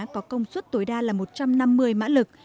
có công suất tối đa là một trăm năm mươi mã lực